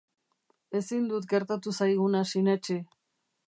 Ezin dut gertatu zaiguna sinetsi.